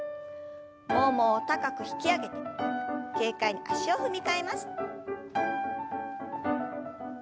ももを高く引き上げ軽快に足を踏み替えます。